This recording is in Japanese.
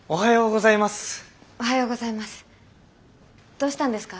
どうしたんですか？